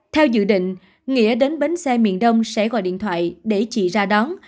theo dự định nghĩa đến bến xe miền đông sẽ gọi điện thoại để chị ra đón